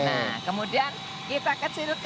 nah kemudian kita kecilkan